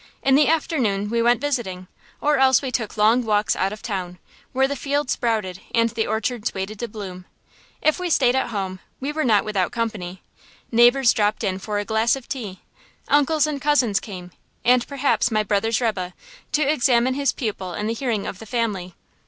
In the afternoon we went visiting, or else we took long walks out of town, where the fields sprouted and the orchards waited to bloom. If we stayed at home, we were not without company. Neighbors dropped in for a glass of tea. Uncles and cousins came, and perhaps my brother's rebbe, to examine his pupil in the hearing of the family.